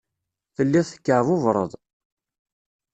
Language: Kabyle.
Telliḍ tekkeɛbubreḍ.